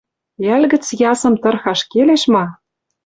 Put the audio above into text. Йӓл гӹц ясым тырхаш келеш ма?